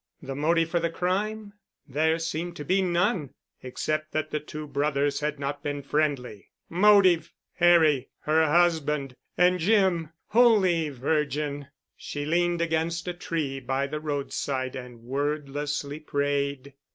The motive for the crime? There seemed to be none—"except that the two brothers had not been friendly." Motive! Harry—her husband—and Jim——! Holy Virgin! She leaned against a tree by the roadside and wordlessly prayed.